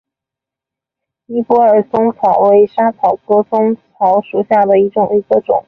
尼泊尔嵩草为莎草科嵩草属下的一个种。